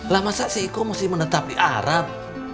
lah masa si iko mesti menetap di arab